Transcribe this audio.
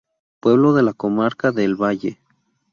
Pueblo de la Comarca de El Valle.